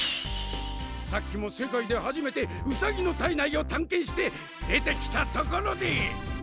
さっきも世界で初めてウサギの体内を探検して出てきたところで。